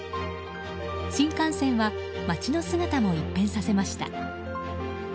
新幹線は街の姿も一変させました。